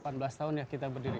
delapan belas tahun ya kita berdiri